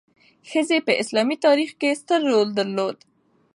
ښځې په اسلامي تاریخ کې ستر رول درلود.